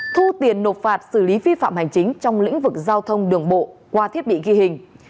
thu tiền nộp phạt xử lý vi phạm hành chính trong lĩnh vực giao thông đường bộ qua thiết bị ghi hình